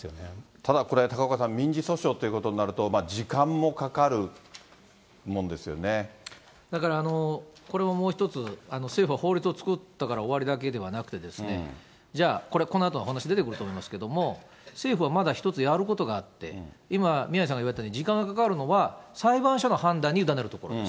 ただこれ、高岡さん、民事訴訟ということになると、だから、これももう一つ、政府は法律を作ったから終わりだけではなくてですね、じゃあ、これ、このあとお話出てくると思いますけれども、政府はまだ１つやることがあって、今、宮根さんが言われたように時間がかかるのは、裁判所の判断に委ねるところです。